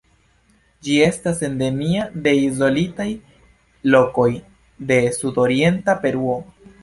Ĝi estas endemia de izolitaj lokoj de sudorienta Peruo.